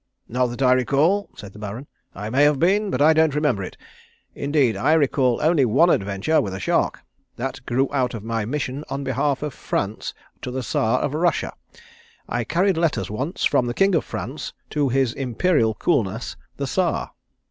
"Not that I recall," said the Baron. "I may have been, but I don't remember it. Indeed I recall only one adventure with a shark. That grew out of my mission on behalf of France to the Czar of Russia. I carried letters once from the King of France to his Imperial Coolness the Czar."